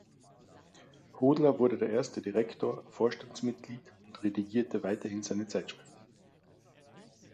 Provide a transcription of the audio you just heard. Hodler wurde der erste Direktor, Vorstandsmitglied und redigierte weiterhin seine Zeitschrift.